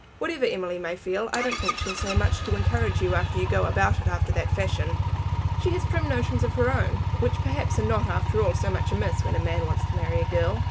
Whatever Emily may feel I don't think she'll say much to encourage you unless you go about it after that fashion. She has prim notions of her own, which perhaps are not after all so much amiss when a man wants to marry a girl."